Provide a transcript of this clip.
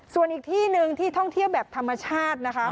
ส่วนอีกที่หนึ่งที่ท่องเที่ยวแบบธรรมชาตินะคะ